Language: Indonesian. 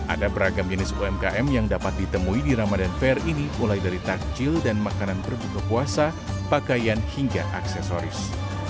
ada beragam jenis umkm yang dapat ditemui di ramadan fair ini mulai dari takjil dan makanan berbuka puasa pakaian hingga aksesoris